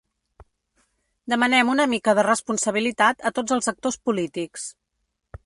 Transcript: Demanem una mica de responsabilitat a tots els actors polítics.